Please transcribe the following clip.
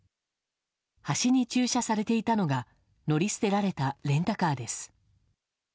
端に駐車されていたのが乗り捨てられたレンタカーです。